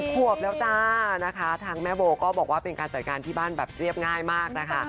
ขวบแล้วจ้านะคะทางแม่โบก็บอกว่าเป็นการจัดงานที่บ้านแบบเรียบง่ายมากนะคะ